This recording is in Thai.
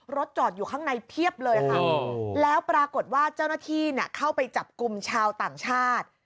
จอดอยู่ข้างในเพียบเลยค่ะแล้วปรากฏว่าเจ้าหน้าที่เข้าไปจับกลุ่มชาวต่างชาติ